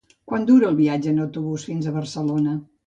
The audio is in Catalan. Quant dura el viatge en autobús fins a Barcelona?